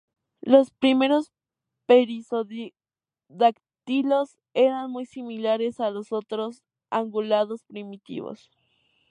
Los primeros perisodáctilos eran muy similares a los otros ungulados primitivos.